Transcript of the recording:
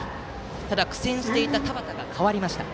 ただ、苦戦していた田端が代わりました。